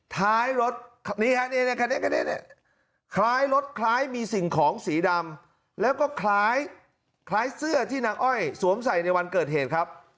ท้ายรถนี่ฮะคล้ายรถคล้ายมีสิ่งของสีดำแล้วก็คล้ายเสื้อที่นางอ้อยสวมใส่ในวันเกิดเหตุครับ